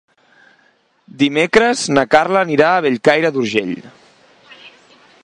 Dimecres na Carla anirà a Bellcaire d'Urgell.